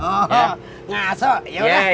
oh ngasoh yaudah